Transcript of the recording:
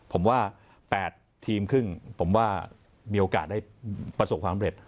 ผมว่า๘ทีมครึ่งผมว่ามีโอกาสได้ประสบความเร็จ